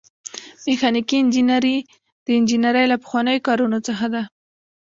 میخانیکي انجنیری د انجنیری له پخوانیو کارونو څخه ده.